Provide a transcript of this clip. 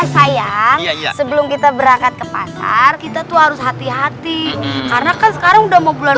sayang sebelum kita berangkat ke pasar kita tuh harus hati hati karena kan sekarang udah mau bulan